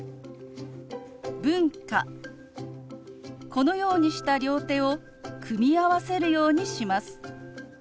このようにした両手を組み合わせるようにします。